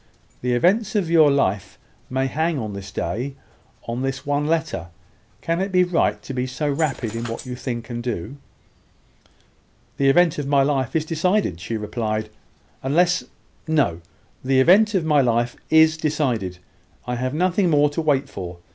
The events of your life may hang on this day, on this one letter. Can it be right to be so rapid in what you think and do?" "The event of my life is decided," she replied, "unless No the event of my life is decided. I have nothing more to wait for.